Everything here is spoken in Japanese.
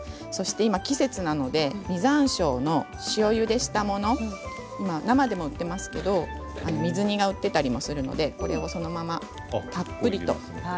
今、季節なので実ざんしょうの塩ゆでしたもの生でも売っていますけれど水煮が売っていたりもしますのでこれをそのままたっぷりと。